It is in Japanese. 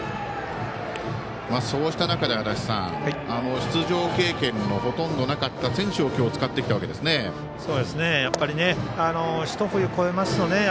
そうした中で、足達さん出場経験もほとんどなかった選手を今日使ってきたわけですね。